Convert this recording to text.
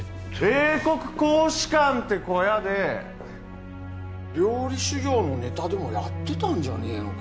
英国公使館って小屋で料理修業のネタでもやってたんじゃねえのか？